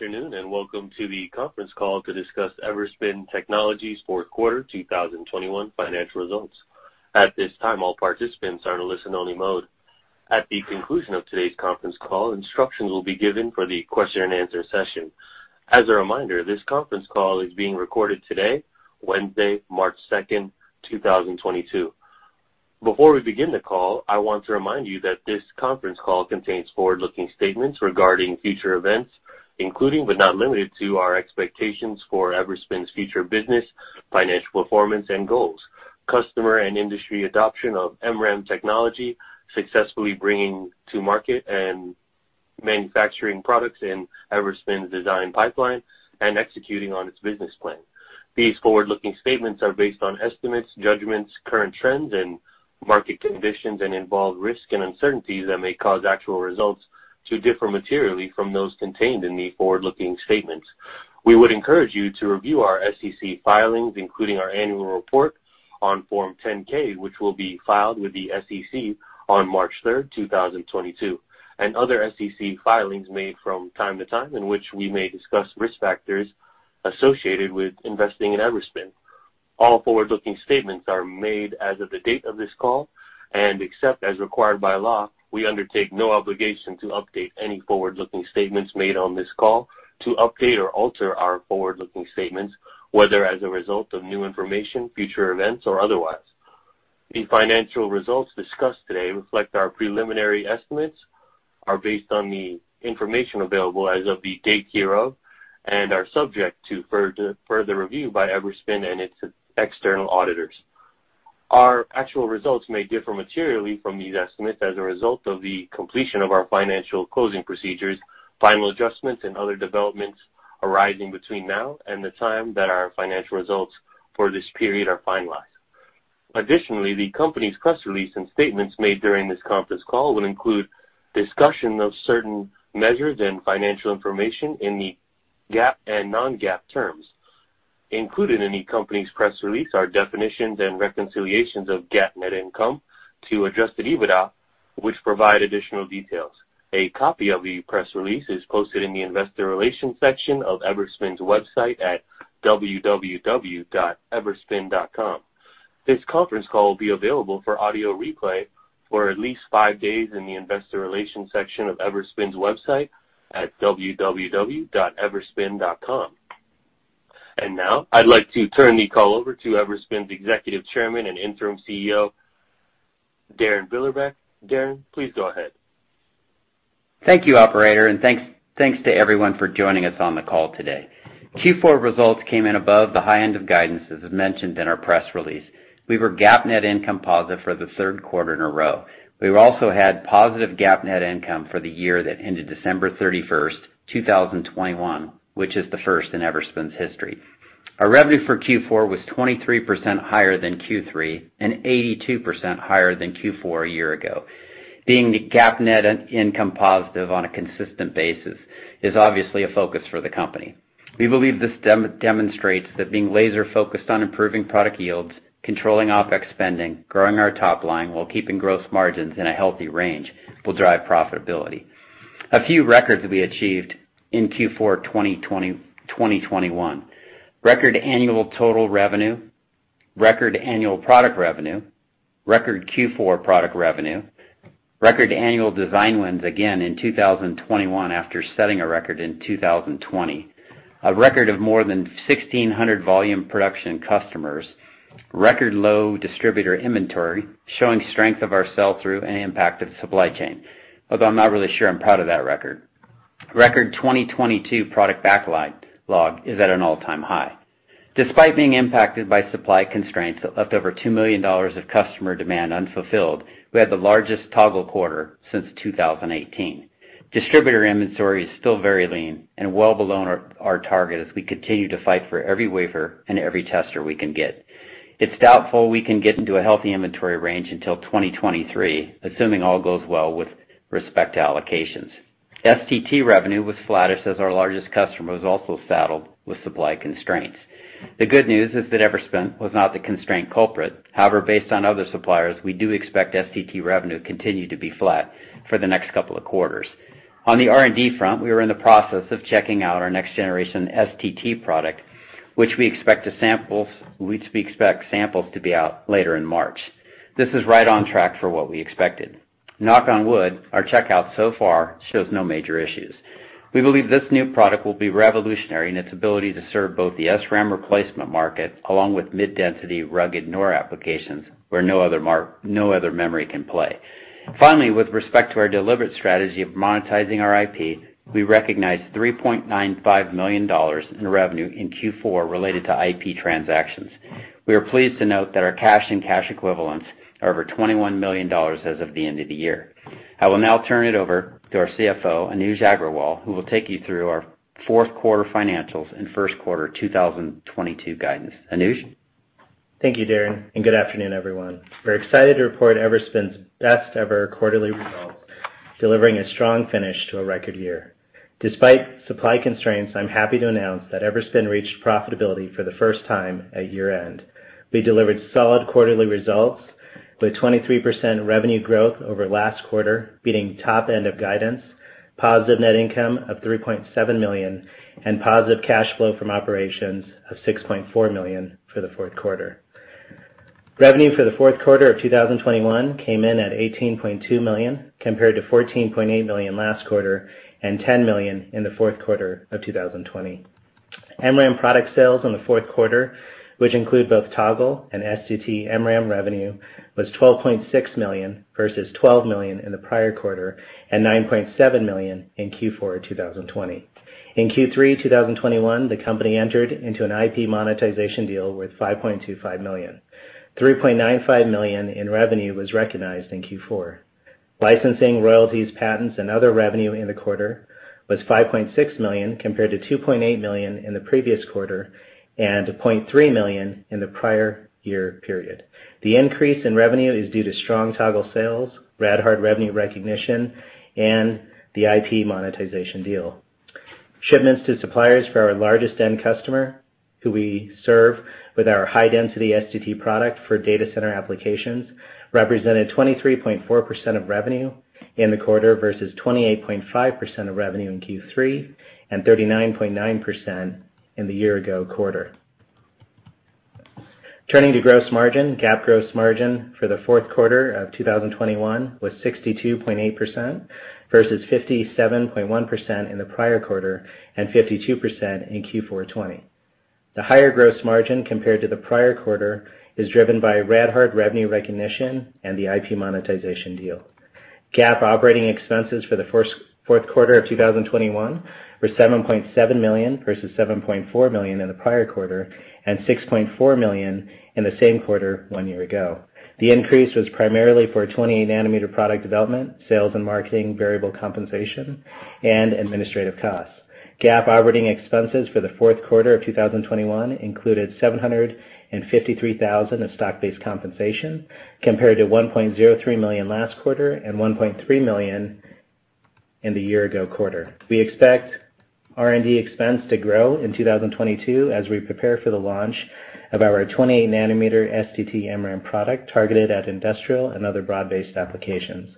Good afternoon, and welcome to the Conference Call to discuss Everspin Technologies Fourth Quarter 2021 Financial Results. At this time, all participants are in listen only mode. At the conclusion of today's conference call, instructions will be given for the question and answer session. As a reminder, this conference call is being recorded today, Wednesday, March 2, 2022. Before we begin the call, I want to remind you that this conference call contains forward-looking statements regarding future events, including, but not limited to our expectations for Everspin's future business, financial performance and goals, customer and industry adoption of MRAM technology, successfully bringing to market and manufacturing products in Everspin's design pipeline, and executing on its business plan. These forward-looking statements are based on estimates, judgments, current trends, and market conditions, and involve risk and uncertainties that may cause actual results to differ materially from those contained in the forward-looking statements. We would encourage you to review our SEC filings, including our annual report on Form 10-K, which will be filed with the SEC on March 3, 2022, and other SEC filings made from time to time in which we may discuss risk factors associated with investing in Everspin. All forward-looking statements are made as of the date of this call, and except as required by law, we undertake no obligation to update any forward-looking statements made on this call or to alter our forward-looking statements, whether as a result of new information, future events, or otherwise. The financial results discussed today reflect our preliminary estimates, are based on the information available as of the date hereof, and are subject to further review by Everspin and its external auditors. Our actual results may differ materially from these estimates as a result of the completion of our financial closing procedures, final adjustments and other developments arising between now and the time that our financial results for this period are finalized. Additionally, the company's press release and statements made during this conference call will include discussion of certain measures and financial information in the GAAP and non-GAAP terms. Included in the company's press release are definitions and reconciliations of GAAP net income to adjusted EBITDA, which provide additional details. A copy of the press release is posted in the Investor Relations section of Everspin's website at www.everspin.com. This conference call will be available for audio replay for at least five days in the Investor Relations section of Everspin's website at www.everspin.com. Now I'd like to turn the call over to Everspin's Executive Chairman and Interim CEO, Darin Billerbeck. Darin, please go ahead. Thank you, operator, and thanks to everyone for joining us on the call today. Q4 results came in above the high end of guidance, as mentioned in our press release. We were GAAP net income positive for the third quarter in a row. We've also had positive GAAP net income for the year that ended December 31, 2021, which is the first in Everspin's history. Our revenue for Q4 was 23% higher than Q3 and 82% higher than Q4 a year ago. Being GAAP net income positive on a consistent basis is obviously a focus for the company. We believe this demonstrates that being laser-focused on improving product yields, controlling OpEx spending, growing our top line while keeping gross margins in a healthy range will drive profitability. A few records we achieved in Q4 2021. Record annual total revenue, record annual product revenue, record Q4 product revenue, record annual design wins again in 2021 after setting a record in 2020. A record of more than 1,600 volume production customers. Record low distributor inventory, showing strength of our sell-through and impact of supply chain. Although I'm not really sure I'm proud of that record. Record 2022 product backlog is at an all-time high. Despite being impacted by supply constraints that left over $2 million of customer demand unfulfilled, we had the largest Toggle quarter since 2018. Distributor inventory is still very lean and well below our target as we continue to fight for every wafer and every tester we can get. It's doubtful we can get into a healthy inventory range until 2023, assuming all goes well with respect to allocations. STT revenue was flattest as our largest customer was also saddled with supply constraints. The good news is that Everspin was not the constraint culprit. However, based on other suppliers, we do expect STT revenue to continue to be flat for the next couple of quarters. On the R&D front, we are in the process of checking out our next generation STT product, which we expect samples to be out later in March. This is right on track for what we expected. Knock on wood, our checkout so far shows no major issues. We believe this new product will be revolutionary in its ability to serve both the SRAM replacement market, along with mid-density rugged NOR applications where no other memory can play. Finally, with respect to our deliberate strategy of monetizing our IP, we recognized $3.95 million in revenue in Q4 related to IP transactions. We are pleased to note that our cash and cash equivalents are over $21 million as of the end of the year. I will now turn it over to our CFO, Anuj Aggarwal, who will take you through our fourth quarter financials and first quarter 2022 guidance. Anuj? Thank you, Darin, and good afternoon, everyone. We're excited to report Everspin's best ever quarterly results. Delivering a strong finish to a record year. Despite supply constraints, I'm happy to announce that Everspin reached profitability for the first time at year-end. We delivered solid quarterly results with 23% revenue growth over last quarter, beating top end of guidance, positive net income of $3.7 million, and positive cash flow from operations of $6.4 million for the fourth quarter. Revenue for the fourth quarter of 2021 came in at $18.2 million, compared to $14.8 million last quarter and $10 million in the fourth quarter of 2020. MRAM product sales in the fourth quarter, which include both Toggle and STT-MRAM revenue, was $12.6 million versus $12 million in the prior quarter and $9.7 million in Q4 of 2020. In Q3 of 2021, the company entered into an IP monetization deal worth $5.25 million. $3.95 million in revenue was recognized in Q4. Licensing, royalties, patents, and other revenue in the quarter was $5.6 million, compared to $2.8 million in the previous quarter and $2.3 million in the prior year period. The increase in revenue is due to strong Toggle sales, RadHard revenue recognition, and the IP monetization deal. Shipments to suppliers for our largest end customer, who we serve with our high-density STT product for data center applications, represented 23.4% of revenue in the quarter versus 28.5% of revenue in Q3 and 39.9% in the year ago quarter. Turning to gross margin, GAAP gross margin for the fourth quarter of 2021 was 62.8% versus 57.1% in the prior quarter and 52% in Q4 of 2020. The higher gross margin compared to the prior quarter is driven by RadHard revenue recognition and the IP monetization deal. GAAP operating expenses for the fourth quarter of 2021 were $7.7 million versus $7.4 million in the prior quarter and $6.4 million in the same quarter one year ago. The increase was primarily for 20-nanometer product development, sales and marketing, variable compensation, and administrative costs. GAAP operating expenses for the fourth quarter of 2021 included $753,000 in stock-based compensation, compared to $1.03 million last quarter and $1.3 million in the year ago quarter. We expect R&D expense to grow in 2022 as we prepare for the launch of our 20 nm STT-MRAM product targeted at industrial and other broad-based applications.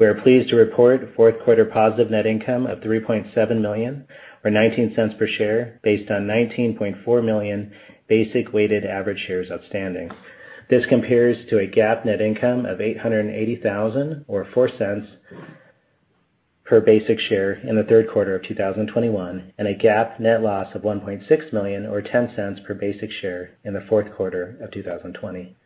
We are pleased to report fourth quarter positive net income of $3.7 million or $0.19 per share based on 19.4 million basic weighted average shares outstanding. This compares to a GAAP net income of $880 thousand or $0.04 per basic share in the third quarter of 2021, and a GAAP net loss of $1.6 million or $0.10 per basic share in the fourth quarter of 2020.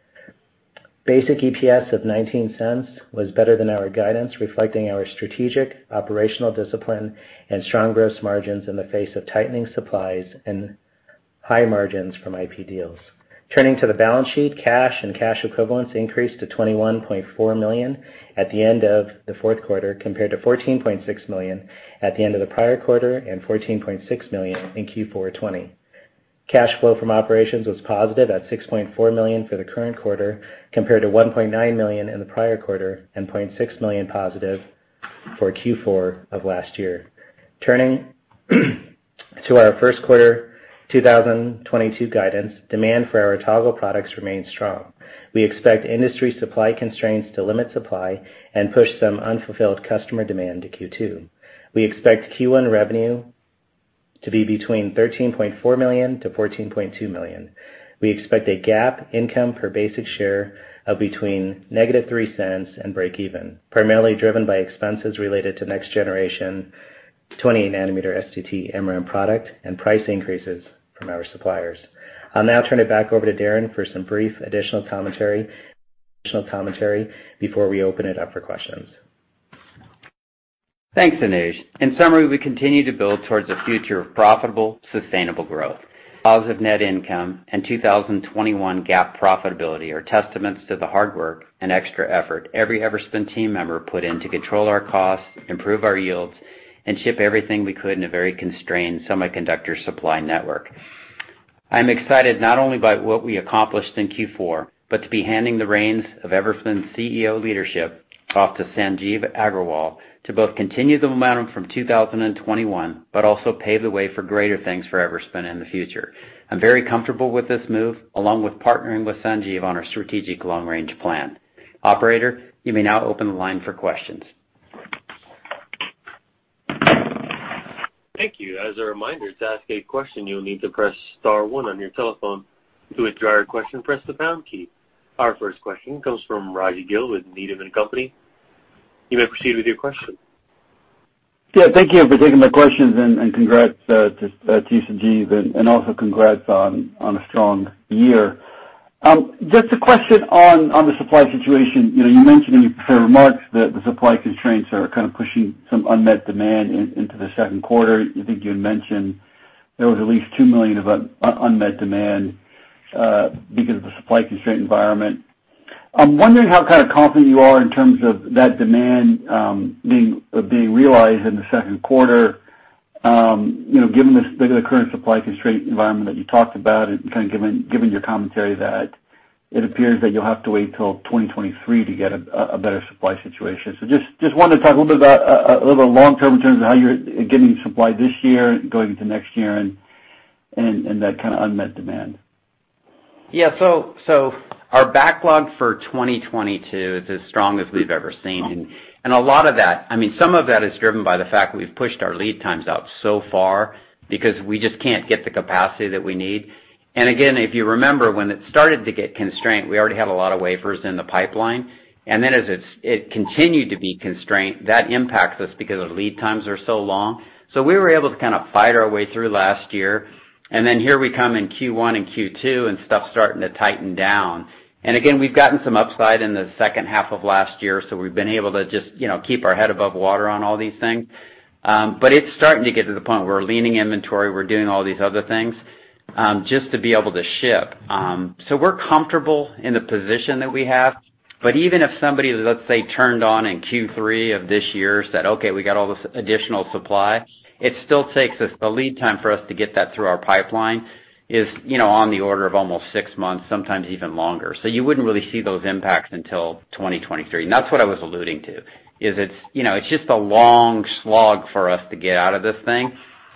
Basic EPS of $0.19 was better than our guidance, reflecting our strategic operational discipline and strong gross margins in the face of tightening supplies and high margins from IP deals. Turning to the balance sheet, cash and cash equivalents increased to $21.4 million at the end of the fourth quarter, compared to $14.6 million at the end of the prior quarter and $14.6 million in Q4 of 2020. Cash flow from operations was positive at $6.4 million for the current quarter, compared to $1.9 million in the prior quarter and $0.6 million positive for Q4 of last year. Turning to our first quarter 2022 guidance, demand for our Toggle products remains strong. We expect industry supply constraints to limit supply and push some unfulfilled customer demand to Q2. We expect Q1 revenue to be between $13.4 million-$14.2 million. We expect a GAAP income per basic share of between negative $0.03 and breakeven, primarily driven by expenses related to next generation 20-nanometer STT-MRAM product and price increases from our suppliers. I'll now turn it back over to Darin for some brief additional commentary before we open it up for questions. Thanks, Anuj. In summary, we continue to build towards a future of profitable, sustainable growth. Positive net income and 2021 GAAP profitability are testaments to the hard work and extra effort every Everspin team member put in to control our costs, improve our yields, and ship everything we could in a very constrained semiconductor supply network. I'm excited not only by what we accomplished in Q4, but to be handing the reins of Everspin's CEO leadership off to Sanjeev Aggarwal to both continue the momentum from 2021, but also pave the way for greater things for Everspin in the future. I'm very comfortable with this move, along with partnering with Sanjeev on our strategic long-range plan. Operator, you may now open the line for questions. Thank you. As a reminder, to ask a question, you'll need to press star one on your telephone. To withdraw your question, press the pound key. Our first question comes from Raji Gill with Needham & Company. You may proceed with your question. Yeah, thank you for taking my questions, and congrats to Sanjeev, and also congrats on a strong year. Just a question on the supply situation. You know, you mentioned in your prepared remarks that the supply constraints are kind of pushing some unmet demand into the second quarter. I think you had mentioned there was at least $2 million of unmet demand because of the supply constraint environment. I'm wondering how kind of confident you are in terms of that demand being realized in the second quarter. You know, given the current supply constraint environment that you talked about and kind of given your commentary that it appears that you'll have to wait till 2023 to get a better supply situation. Just wanted to talk a little bit about a little long-term in terms of how you're getting supply this year going into next year and that kind of unmet demand. Our backlog for 2022 is as strong as we've ever seen. Oh. A lot of that. I mean, some of that is driven by the fact that we've pushed our lead times out so far because we just can't get the capacity that we need. Again, if you remember, when it started to get constrained, we already had a lot of wafers in the pipeline. As it continued to be constrained, that impacts us because the lead times are so long. We were able to kind of fight our way through last year. Here we come in Q1 and Q2 and stuff's starting to tighten down. We've gotten some upside in the second half of last year, so we've been able to just, you know, keep our head above water on all these things. It's starting to get to the point where we're leaning inventory, we're doing all these other things, just to be able to ship. We're comfortable in the position that we have. Even if somebody, let's say, turned on in Q3 of this year, said, "Okay, we got all this additional supply," it still takes us, the lead time for us to get that through our pipeline is, you know, on the order of almost six months, sometimes even longer. You wouldn't really see those impacts until 2023. That's what I was alluding to, is it's, you know, it's just a long slog for us to get out of this thing.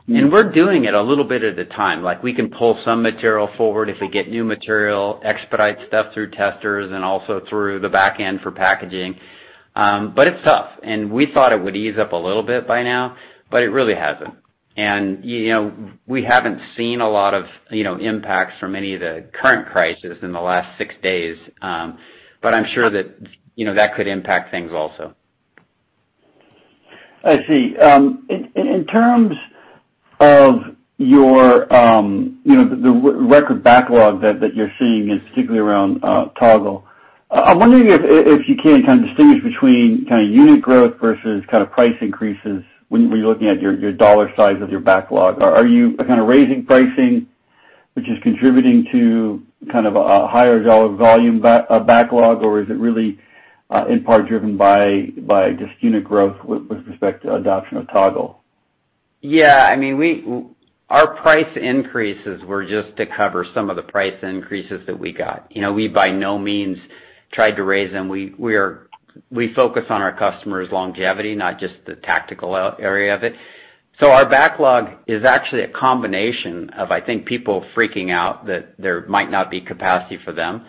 We're doing it a little bit at a time. Like, we can pull some material forward if we get new material, expedite stuff through testers and also through the back end for packaging. It's tough. We thought it would ease up a little bit by now, but it really hasn't. You know, we haven't seen a lot of, you know, impacts from any of the current crises in the last six days, but I'm sure that, you know, that could impact things also. I see. In terms of your, you know, the record backlog that you're seeing, and particularly around Toggle, I'm wondering if you can kind of distinguish between kind of unit growth versus kind of price increases when you're looking at your dollar size of your backlog. Are you kind of raising pricing, which is contributing to kind of a higher dollar volume backlog, or is it really in part driven by just unit growth with respect to adoption of Toggle? Yeah. I mean, our price increases were just to cover some of the price increases that we got. You know, we by no means tried to raise them. We are. We focus on our customers' longevity, not just the tactical area of it. Our backlog is actually a combination of, I think, people freaking out that there might not be capacity for them.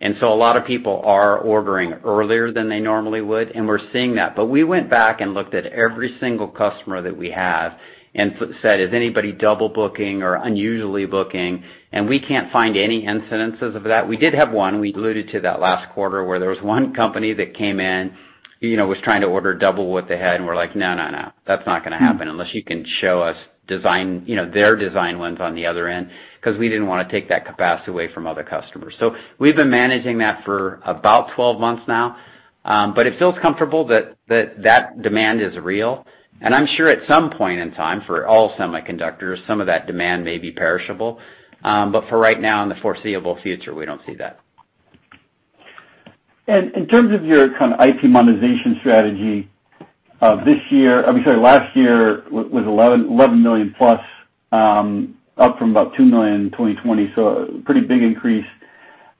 A lot of people are ordering earlier than they normally would, and we're seeing that. We went back and looked at every single customer that we have and said, "Is anybody double booking or unusually booking?" We can't find any incidences of that. We did have one, we alluded to that last quarter, where there was one company that came in, you know, was trying to order double what they had, and we're like, "No, no. That's not gonna happen unless you can show us design, you know, their design wins on the other end, 'cause we didn't wanna take that capacity away from other customers. We've been managing that for about 12 months now. It feels comfortable that that demand is real. I'm sure at some point in time, for all semiconductors, some of that demand may be perishable. For right now, in the foreseeable future, we don't see that. In terms of your kind of IP monetization strategy, last year was $11 million-plus, up from about $2 million in 2020, so pretty big increase.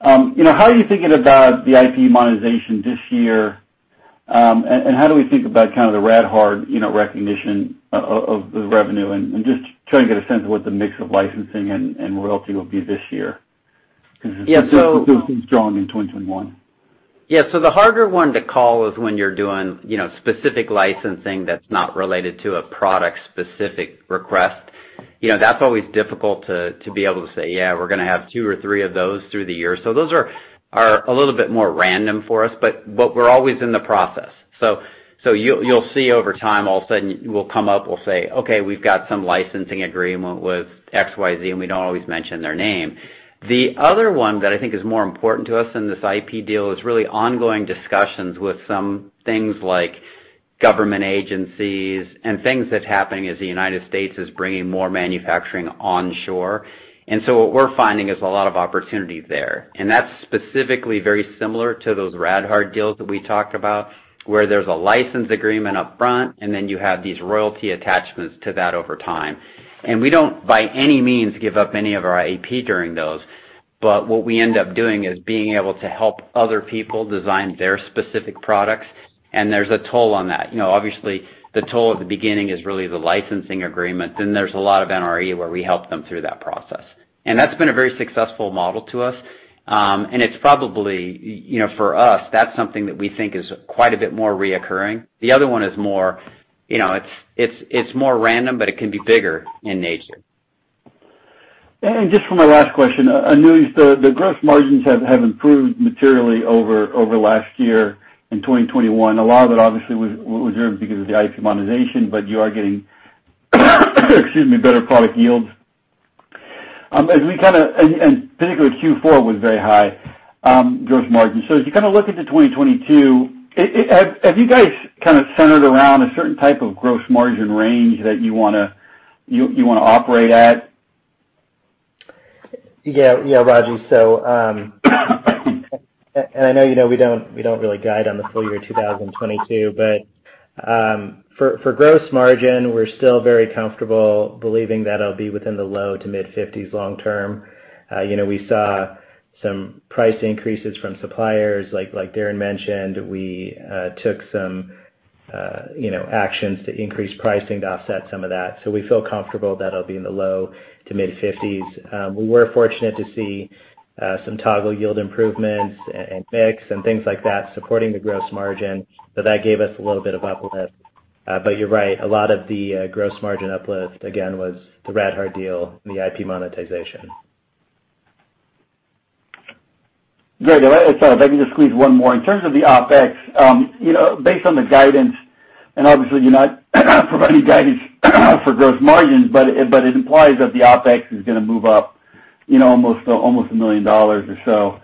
You know, how are you thinking about the IP monetization this year? And how do we think about kind of the RadHard, you know, recognition of the revenue? Just trying to get a sense of what the mix of licensing and royalty will be this year. Yeah. 'Cause it seemed strong in 2021. Yeah. The harder one to call is when you're doing, you know, specific licensing that's not related to a product-specific request. You know, that's always difficult to be able to say, "Yeah, we're gonna have two or three of those through the year." Those are a little bit more random for us, but we're always in the process. You'll see over time, all of a sudden we'll come up, we'll say, "Okay, we've got some licensing agreement with XYZ," and we don't always mention their name. The other one that I think is more important to us in this IP deal is really ongoing discussions with some things like government agencies and things that's happening as the United States is bringing more manufacturing onshore. What we're finding is a lot of opportunity there. That's specifically very similar to those RadHard deals that we talked about, where there's a license agreement up front and then you have these royalty attachments to that over time. We don't, by any means, give up any of our IP during those. What we end up doing is being able to help other people design their specific products, and there's a toll on that. You know, obviously, the toll at the beginning is really the licensing agreement, then there's a lot of NRE where we help them through that process. That's been a very successful model to us. It's probably you know, for us, that's something that we think is quite a bit more recurring. The other one is more, you know, it's more random, but it can be bigger in nature. Just for my last question, Anuj, the gross margins have improved materially over last year in 2021. A lot of it obviously was earned because of the IP monetization, but you are getting, excuse me, better product yields. Particularly Q4 was very high gross margin. As you kind of look into 2022, have you guys kind of centered around a certain type of gross margin range that you wanna operate at? Yeah. Yeah, Raji. I know, you know, we don't really guide on the full year 2022, but for gross margin, we're still very comfortable believing that it'll be within the low- to mid-50s% long term. You know, we saw some price increases from suppliers like Darin mentioned. We took some, you know, actions to increase pricing to offset some of that. We feel comfortable that it'll be in the low- to mid-50s%. We were fortunate to see some Toggle yield improvements and mix and things like that supporting the gross margin. That gave us a little bit of uplift. You're right, a lot of the gross margin uplift again was the RadHard deal and the IP monetization. Great. Let me just squeeze one more. In terms of the OpEx, you know, based on the guidance, and obviously you're not providing guidance for gross margins, but it implies that the OpEx is gonna move up, you know, almost $1 million or so.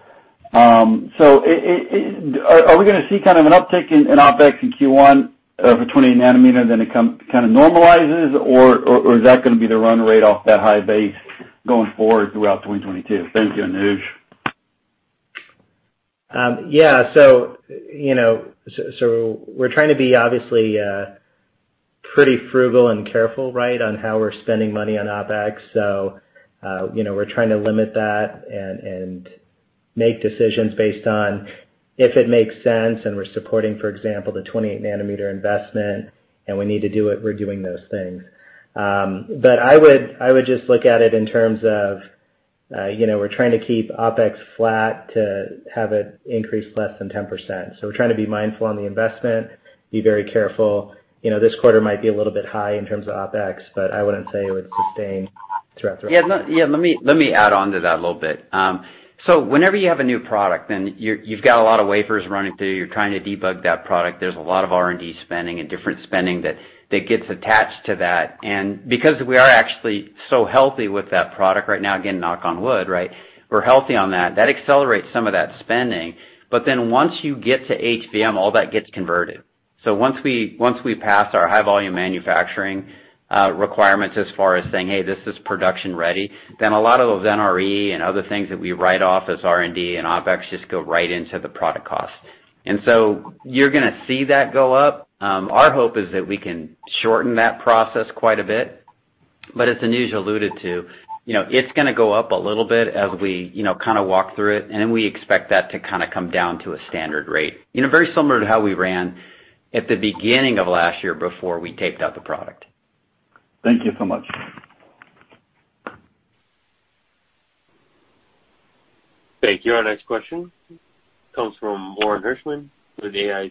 So, are we gonna see kind of an uptick in OpEx in Q1 for 20-nanometer, then it kind of normalizes or is that gonna be the run rate off that high base going forward throughout 2022? Thank you, Anuj. We're trying to be obviously pretty frugal and careful, right? On how we're spending money on OpEx. We're trying to limit that and make decisions based on if it makes sense, and we're supporting, for example, the 20-nanometer investment, and we need to do it, we're doing those things. I would just look at it in terms of we're trying to keep OpEx flat to have it increase less than 10%. We're trying to be mindful on the investment, be very careful. You know, this quarter might be a little bit high in terms of OpEx, but I wouldn't say it would sustain throughout the rest. Yeah. Let me add on to that a little bit. Whenever you have a new product, you've got a lot of wafers running through. You're trying to debug that product. There's a lot of R&D spending and different spending that gets attached to that. Because we are actually so healthy with that product right now, again, knock on wood, right? We're healthy on that. That accelerates some of that spending. Once you get to HVM, all that gets converted. Once we pass our high volume manufacturing requirements as far as saying, "Hey, this is production ready," then a lot of NRE and other things that we write off as R&D and OpEx just go right into the product cost. You're gonna see that go up. Our hope is that we can shorten that process quite a bit. As Anuj alluded to, you know, it's gonna go up a little bit as we, you know, kind of walk through it, and then we expect that to kind of come down to a standard rate. You know, very similar to how we ran at the beginning of last year before we taped out the product. Thank you so much. Thank you. Our next question comes from, oh, I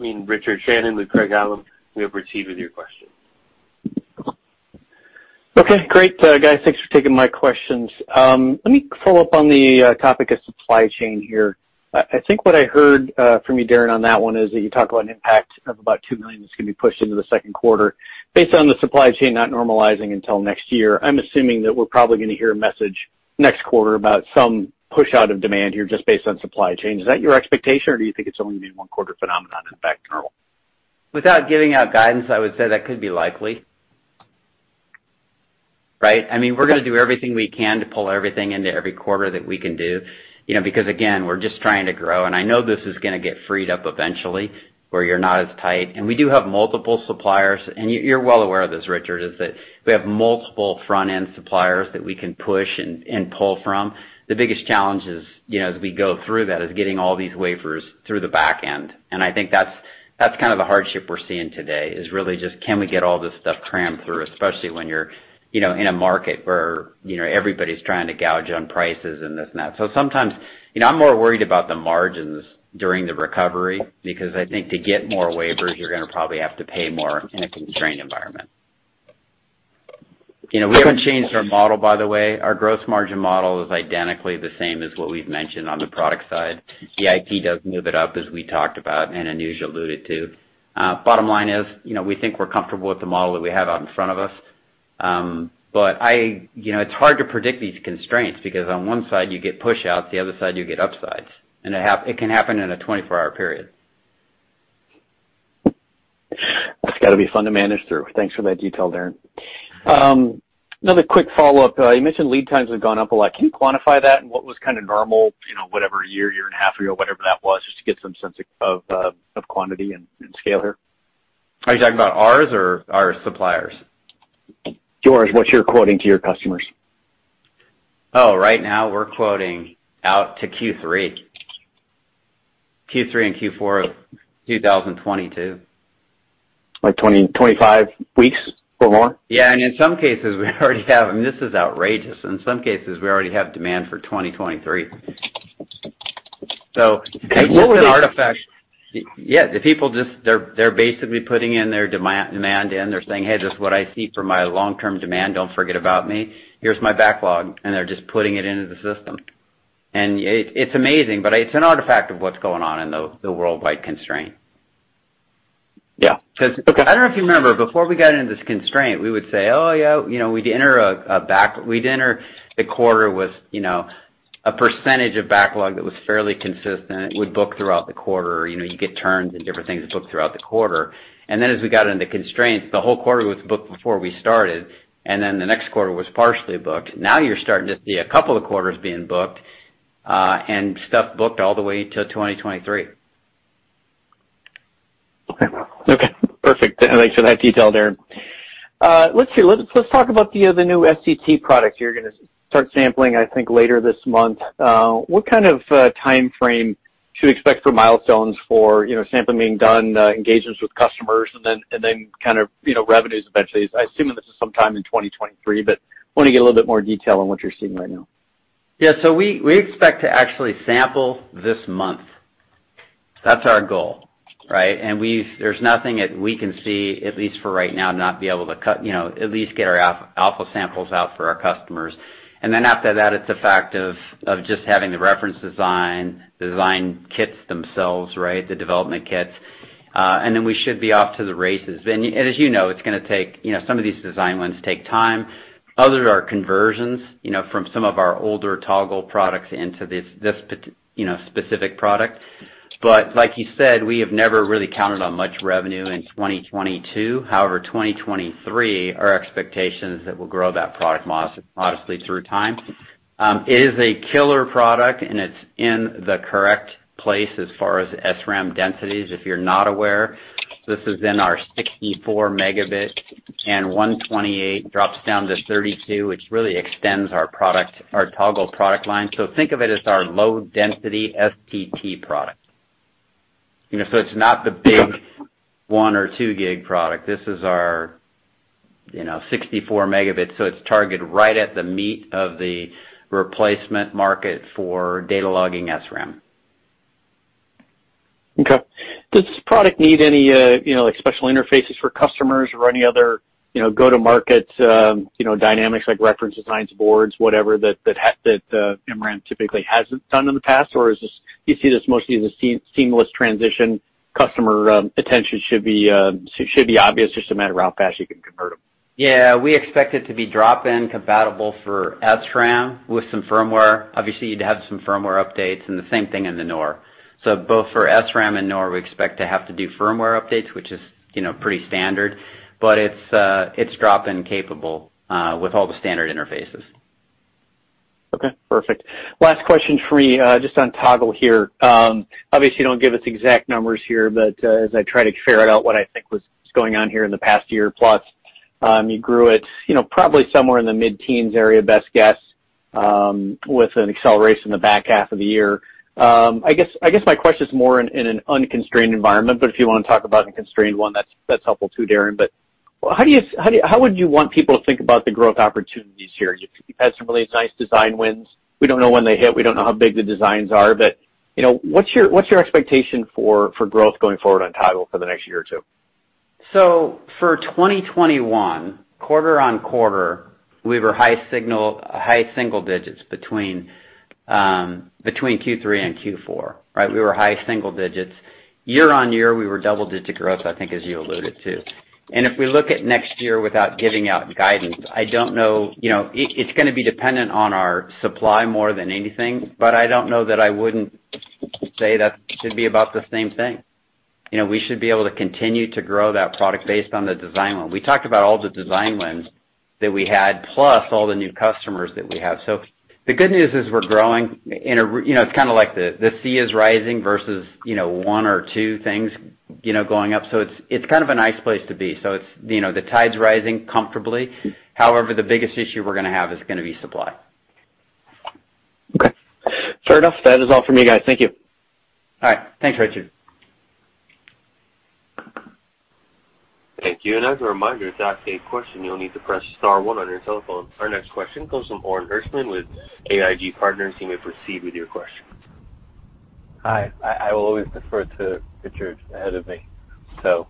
mean, Richard Shannon with Craig-Hallum. We proceed with your question. Okay, great. Guys, thanks for taking my questions. Let me follow up on the topic of supply chain here. I think what I heard from you, Darin, on that one is that you talk about an impact of about $2 million that's gonna be pushed into the second quarter. Based on the supply chain not normalizing until next year, I'm assuming that we're probably gonna hear a message next quarter about some push out of demand here just based on supply chain. Is that your expectation, or do you think it's only gonna be one quarter phenomenon and back to normal? Without giving out guidance, I would say that could be likely. Right? I mean, we're gonna do everything we can to pull everything into every quarter that we can do, you know, because again, we're just trying to grow. I know this is gonna get freed up eventually where you're not as tight. We do have multiple suppliers. You're well aware of this, Richard, that we have multiple front-end suppliers that we can push and pull from. The biggest challenge is, you know, as we go through that, is getting all these wafers through the back end. I think that's kind of the hardship we're seeing today, is really just can we get all this stuff crammed through, especially when you're, you know, in a market where, you know, everybody's trying to gouge on prices and this and that. Sometimes, you know, I'm more worried about the margins during the recovery because I think to get more waivers, you're gonna probably have to pay more in a constrained environment. You know, we haven't changed our model, by the way. Our gross margin model is identically the same as what we've mentioned on the product side. The IP does move it up as we talked about, and Anuj alluded to. Bottom line is, you know, we think we're comfortable with the model that we have out in front of us. You know, it's hard to predict these constraints because on one side you get push outs, the other side you get upsides, and it can happen in a 24-hour period. That's gotta be fun to manage through. Thanks for that detail, Darin. Another quick follow-up. You mentioned lead times have gone up a lot. Can you quantify that and what was kind of normal, you know, whatever year and a half ago, whatever that was, just to get some sense of quantity and scale here? Are you talking about ours or our suppliers? Yours. What you're quoting to your customers. Oh, right now we're quoting out to Q3. Q3 and Q4 of 2022. Like 20-25 weeks or more? This is outrageous. In some cases we already have demand for 2023. It's an artifact. Will it? Yeah. The people just, they're basically putting in their demand in. They're saying, "Hey, this is what I see for my long-term demand. Don't forget about me. Here's my backlog." They're just putting it into the system. It's amazing, but it's an artifact of what's going on in the worldwide constraint. Yeah. Okay. 'Cause I don't know if you remember, before we got into this constraint, we would say, "Oh, yeah, you know, we'd enter the quarter with, you know, a percentage of backlog that was fairly consistent would book throughout the quarter. You know, you get turns and different things booked throughout the quarter. As we got into constraints, the whole quarter was booked before we started, and then the next quarter was partially booked. Now you're starting to see a couple of quarters being booked, and stuff booked all the way to 2023. Okay. Perfect. Thanks for that detail, Darin. Let's see. Let's talk about the new STT product you're gonna start sampling, I think, later this month. What kind of timeframe should we expect for milestones for sampling being done, engagements with customers, and then kind of, you know, revenues eventually? I assume that this is sometime in 2023, but I want to get a little bit more detail on what you're seeing right now. Yeah. We expect to actually sample this month. That's our goal, right? There's nothing that we can see at least for right now, not be able to cut, you know, at least get our alpha samples out for our customers. Then after that, it's a fact of just having the reference design, the design kits themselves, right, the development kits, and then we should be off to the races. As you know, it's gonna take, you know, some of these design wins take time. Others are conversions, you know, from some of our older Toggle products into this specific product. Like you said, we have never really counted on much revenue in 2022. However, 2023, our expectation is that we'll grow that product modestly through time. It is a killer product, and it's in the correct place as far as SRAM densities. If you're not aware, this is in our 64-megabit and 128-megabit, drops down to 32-megabit, which really extends our product, our Toggle product line. Think of it as our low-density STT product. You know, it's not the big one or two gig product. This is our, you know, 64 megabits, so it's targeted right at the meat of the replacement market for data logging SRAM. Okay. Does this product need any, you know, like, special interfaces for customers or any other, you know, go-to-market, dynamics like reference designs, boards, whatever that MRAM typically hasn't done in the past? Or is this, you see this mostly as a seamless transition, customer attention should be obvious, just a matter of how fast you can convert them? Yeah. We expect it to be drop-in compatible for SRAM with some firmware. Obviously, you'd have some firmware updates and the same thing in the NOR. Both for SRAM and NOR, we expect to have to do firmware updates, which is, you know, pretty standard. It's drop-in capable with all the standard interfaces. Okay. Perfect. Last question for you, just on Toggle here. Obviously, you don't give us exact numbers here, but as I try to figure it out what I think was going on here in the past year plus, you grew it, you know, probably somewhere in the mid-teens area, best guess, with an acceleration in the back half of the year. I guess my question is more in an unconstrained environment, but if you wanna talk about the constrained one, that's helpful too, Darin. But how would you want people to think about the growth opportunities here? You've had some really nice design wins. We don't know when they hit, we don't know how big the designs are, but, you know, what's your expectation for growth going forward on Toggle for the next year or two? For 2021, quarter-on-quarter, we were high single digits between Q3 and Q4, right? We were high single digits. Year-on-year, we were double-digit growth, I think, as you alluded to. If we look at next year without giving out guidance, I don't know, you know, it's gonna be dependent on our supply more than anything. I don't know that I wouldn't say that should be about the same thing. You know, we should be able to continue to grow that product based on the design win. We talked about all the design wins that we had, plus all the new customers that we have. The good news is we're growing, you know, it's kinda like the sea is rising versus, you know, one or two things, you know, going up. It's kind of a nice place to be. It's, you know, the tide's rising comfortably. However, the biggest issue we're gonna have is gonna be supply. Okay. Fair enough. That is all from me, guys. Thank you. All right. Thanks, Richard. Thank you. As a reminder, to ask a question, you'll need to press star one on your telephone. Our next question comes from Orin Hirschman with GIV Partners. You may proceed with your question. Hi. I will always defer to Richard ahead of me, so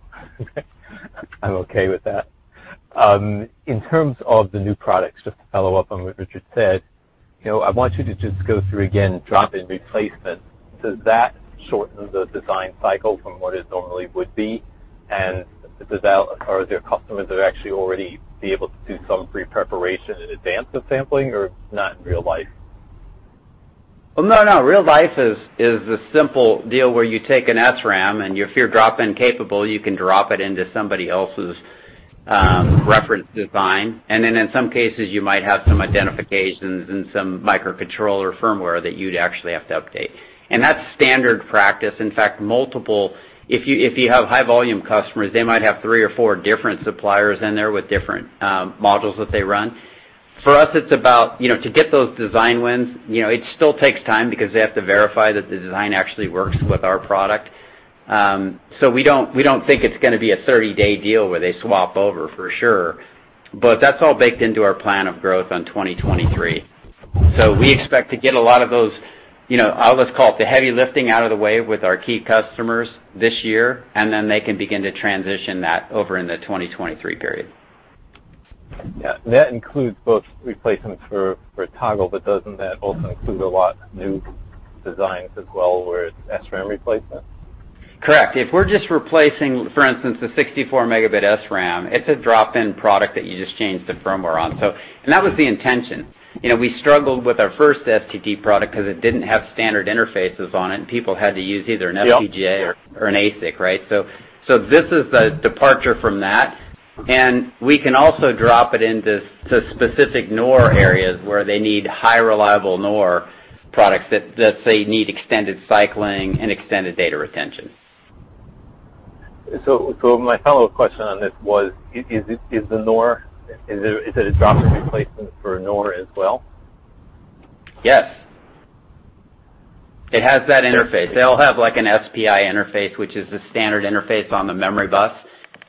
I'm okay with that. In terms of the new products, just to follow up on what Richard said, you know, I want you to just go through again drop-in replacement. Does that shorten the design cycle from what it normally would be? And does that. Are there customers that actually already be able to do some pre-preparation in advance of sampling, or not in real life? Well, no. Real life is a simple deal where you take an SRAM, and if you're drop-in capable, you can drop it into somebody else's reference design. Then in some cases, you might have some identifications and some microcontroller firmware that you'd actually have to update. That's standard practice. If you have high-volume customers, they might have three or four different suppliers in there with different modules that they run. For us, it's about, you know, to get those design wins, you know, it still takes time because they have to verify that the design actually works with our product. So we don't think it's gonna be a 30-day deal where they swap over for sure, but that's all baked into our plan of growth on 2023. We expect to get a lot of those, you know, I'll just call it the heavy lifting out of the way with our key customers this year, and then they can begin to transition that over in the 2023 period. Yeah. That includes both replacements for Toggle, but doesn't that also include a lot of new designs as well where it's SRAM replacement? Correct. If we're just replacing, for instance, the 64-megabit SRAM, it's a drop-in product that you just change the firmware on. That was the intention. You know, we struggled with our first STT product because it didn't have standard interfaces on it, and people had to use either. Yeah. An FPGA or an ASIC, right? So this is a departure from that. We can also drop it into specific NOR areas where they need highly reliable NOR products, that they need extended cycling and extended data retention. My follow-up question on this was, is it a drop-in replacement for NOR as well? Yes. It has that interface. They all have, like, an SPI interface, which is the standard interface on the memory bus.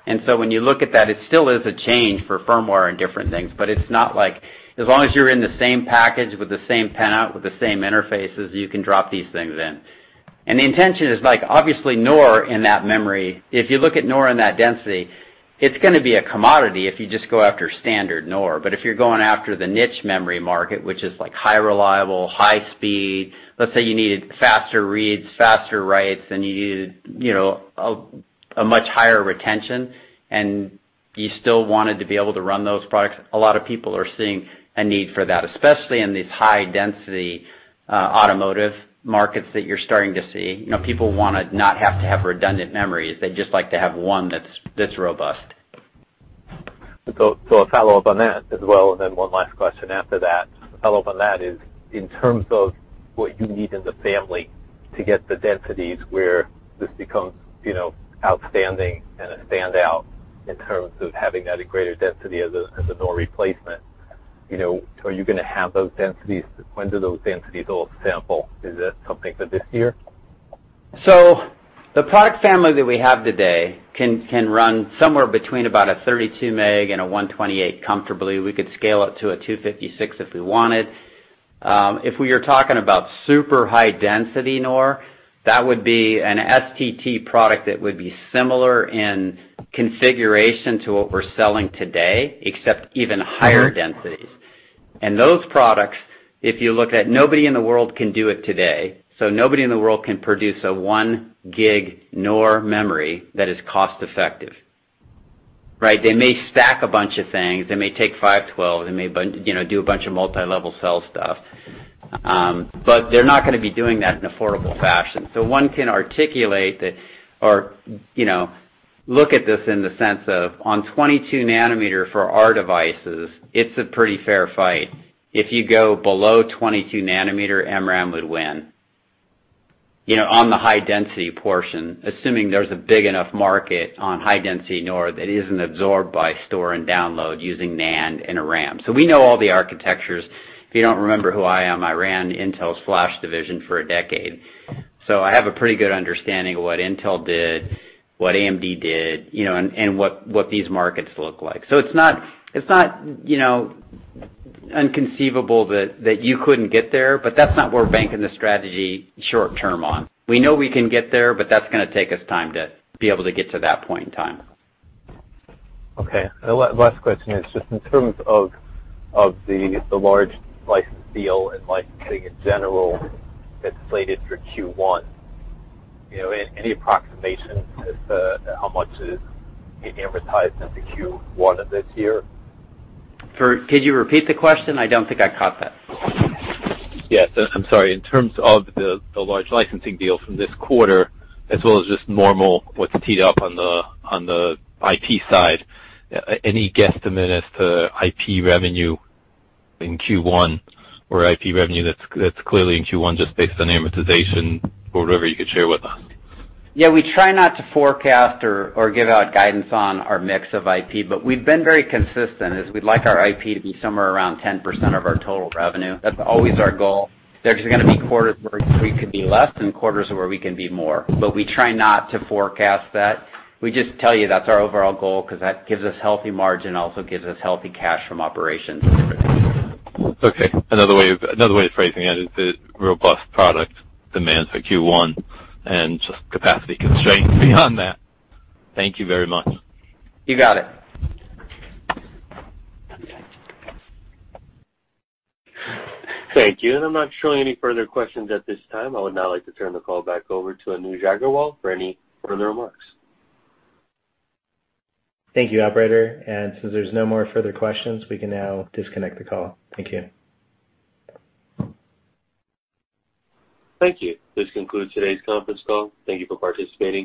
When you look at that, it still is a change for firmware and different things, but it's not like, as long as you're in the same package with the same pin out, with the same interfaces, you can drop these things in. The intention is, like, obviously, NOR in that memory, if you look at NOR in that density, it's gonna be a commodity if you just go after standard NOR. If you're going after the niche memory market, which is, like, high reliability, high speed. Let's say you needed faster reads, faster writes, and you needed, you know, a much higher retention, and you still wanted to be able to run those products. A lot of people are seeing a need for that, especially in these high-density automotive markets that you're starting to see. You know, people wanna not have to have redundant memories. They just like to have one that's robust. A follow-up on that as well, and then one last question after that. Follow-up on that is, in terms of what you need in the family to get the densities where this becomes, you know, outstanding and a standout in terms of having that greater density as a NOR replacement, you know, are you gonna have those densities? When do those densities all sample? Is that something for this year? The product family that we have today can run somewhere between about a 32 meg and a 128 comfortably. We could scale it to a 256 if we wanted. If we are talking about super high density NOR, that would be an STT product that would be similar in configuration to what we're selling today, except even higher densities. Those products, if you look at, nobody in the world can do it today. Nobody in the world can produce a one gig NOR memory that is cost effective, right? They may stack a bunch of things. They may take 512. They may you know, do a bunch of Multi-Level Cell stuff. They're not gonna be doing that in affordable fashion. One can articulate that or, you know, look at this in the sense of on 22-nanometer for our devices, it's a pretty fair fight. If you go below 22-nanometer, MRAM would win. You know, on the high density portion, assuming there's a big enough market on high density NOR that isn't absorbed by store and download using NAND and SRAM. We know all the architectures. If you don't remember who I am, I ran Intel's Flash division for a decade. I have a pretty good understanding of what Intel did, what AMD did, you know, and what these markets look like. It's not, you know, inconceivable that you couldn't get there, but that's not where we're banking the strategy short-term on. We know we can get there, but that's gonna take us time to be able to get to that point in time. Okay. Last question is just in terms of the large license deal and licensing in general that's slated for Q1. You know, any approximation as to how much is being amortized into Q1 of this year? Could you repeat the question? I don't think I caught that. Yes. I'm sorry. In terms of the large licensing deal from this quarter, as well as just normal, what's teed up on the IP side, any guesstimate as to IP revenue in Q1 or IP revenue that's clearly in Q1 just based on amortization or whatever you could share with us? Yeah, we try not to forecast or give out guidance on our mix of IP, but we've been very consistent, as we'd like our IP to be somewhere around 10% of our total revenue. That's always our goal. There's gonna be quarters where we could be less and quarters where we can be more, but we try not to forecast that. We just tell you that's our overall goal because that gives us healthy margin, also gives us healthy cash from operations and everything. Okay. Another way of phrasing it is the robust product demand for Q1 and just capacity constraints beyond that. Thank you very much. You got it. Thank you. I'm not showing any further questions at this time. I would now like to turn the call back over to Anuj Aggarwal for any further remarks. Thank you, operator. Since there's no more further questions, we can now disconnect the call. Thank you. Thank you. This concludes today's conference call. Thank you for participating.